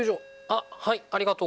あっはい。